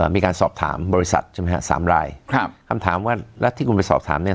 มีการสอบถามบริษัทสามรายคำถามว่าแล้วที่คุณไปสอบถามเนี่ย